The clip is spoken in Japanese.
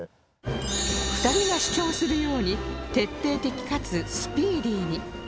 ２人が主張するように徹底的かつスピーディーに